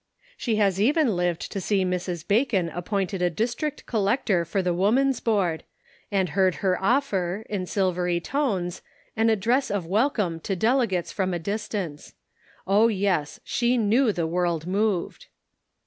She has even lived to see Mrs. Bacon appointed a district collector for the Woman's Board, and heard her offer, in silvery tones, an address of welcome to delegates from a distance. Oh, yes, she knew the world moved